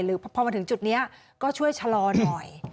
พอมาถึงจุดนี้ก็ช่วยชะลอหน่อย